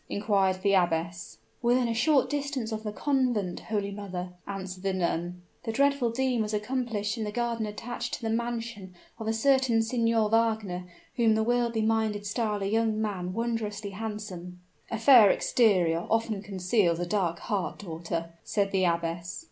inquired the abbess. "Within a short distance of the convent, holy mother," answered the nun. "The dreadful deed was accomplished in the garden attached to the mansion of a certain Signor Wagner, whom the worldly minded style a young man wondrously handsome." "A fair exterior often conceals a dark heart, daughter," said the abbess.